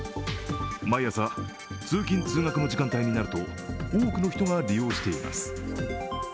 毎朝、通勤・通学の時間帯になると多くの人が利用しています。